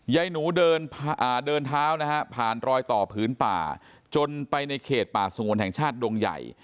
ยายหนูเดินเท้านะฮะผ่านรอยต่อผืนป่าจนไปในเขตป่าสงวนแห่งชาติดงใหญ่